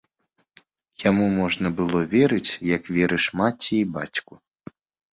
Яму можна было верыць, як верыш маці і бацьку.